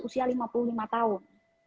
usia lima puluh lima tahun